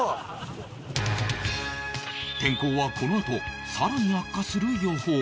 天候はこのあと更に悪化する予報